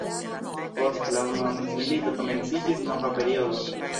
Post la unua mondmilito komenciĝis nova periodo.